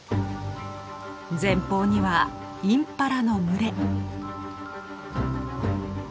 前方にはインパラの群れ。